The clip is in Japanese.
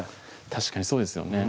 確かにそうですよね